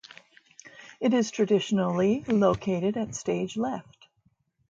It is traditionally located at stage left.